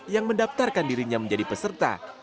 yang mendaftarkan dirinya menjadi peserta